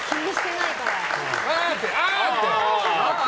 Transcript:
ああって。